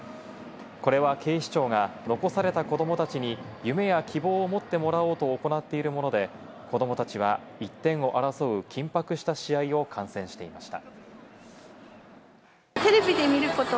これは、警視庁が残された子どもたちに夢や希望を持ってもらおうと行っているもので、子供たちは１点を争う緊迫した試合を観戦していました。